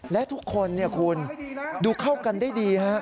และทุกคนคุณดูเข้ากันได้ดีฮะ